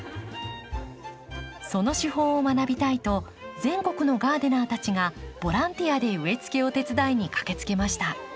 その手法を学びたいと全国のガーデナーたちがボランティアで植えつけを手伝いに駆けつけました。